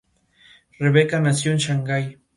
Rebecca nació en Shanghai.